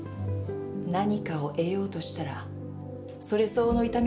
何かを得ようとしたらそれ相応の痛みは付きものです。